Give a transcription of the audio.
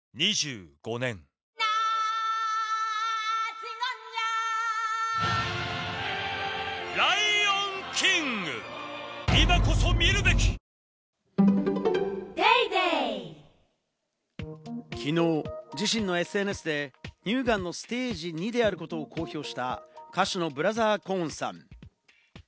フレア贅沢アロマエッセンス」誕生きのう自身のＳＮＳで乳がんのステージ２であることを公表した歌手のブラザー・コーンさん。